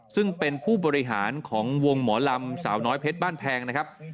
ซึ่งเป็นผู้บริหารของวงหมอลำสาวน้อยเพชรบ้านแพงนะครับ